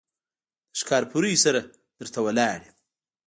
د ښکارپورۍ سره در ته ولاړ يم.